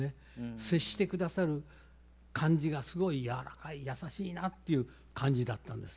接してくださる感じがすごい柔らかい優しいなっていう感じだったんです。